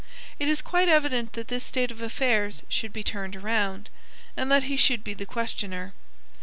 It is quite evident that this state of affairs should be turned around, and that he should be the questioner.